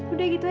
udah gitu aja